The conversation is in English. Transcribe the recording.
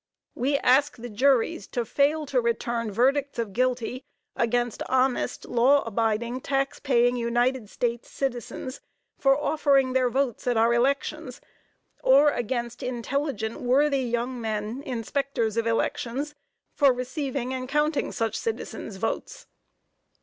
We ask the juries to fail to return verdicts of "guilty" against honest, law abiding, tax paying United States citizens for offering their votes at our elections. Or against intelligent, worthy young men, inspectors of elections, for receiving and counting such citizens' votes.